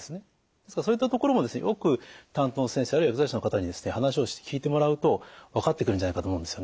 ですからそういったところもよく担当の先生あるいは薬剤師の方に話をして聞いてもらうと分かってくるんじゃないかと思うんですよね。